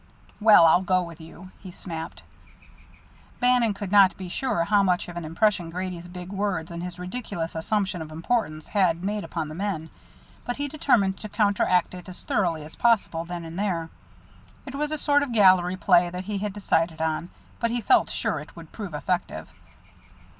"Well, I'll go with you," he snapped. Bannon could not be sure how much of an impression Grady's big words and his ridiculous assumption of importance had made upon the men, but he determined to counteract it as thoroughly as possible, then and there. It was a sort of gallery play that he had decided on, but he felt sure it would prove effective.